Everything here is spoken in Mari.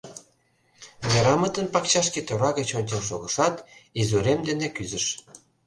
Верамытын пакчашке тора гыч ончен шогышат, изурем дене кӱзыш.